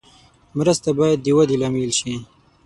مرسته باید د ودې لامل شي.